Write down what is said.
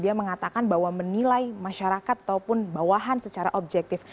dia mengatakan bahwa menilai masyarakat ataupun bawahan secara objektif